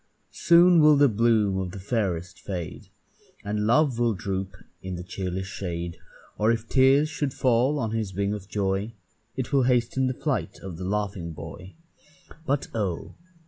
Soon will the bloom of the fairest fade, And love will droop in the cheerless shade, Or if tears should fall on his wing of joy, It will hasten the flight of the laughing boy. But oh!